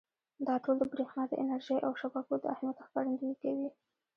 دا ټول د برېښنا د انرژۍ او شبکو د اهمیت ښکارندويي کوي.